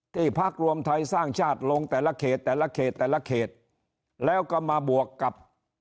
พักรวมไทยสร้างชาติลงแต่ละเขตแต่ละเขตแต่ละเขตแล้วก็มาบวกกับ